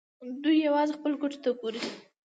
دوی یوازې خپلو ګټو ته ګوري.